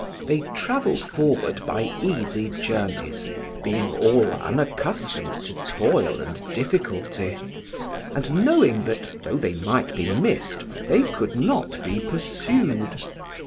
They travelled forward by easy journeys, being all unaccustomed to toil and difficulty, and knowing that, though they might be missed, they could not be pursued.